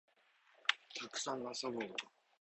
たくさん遊ぼう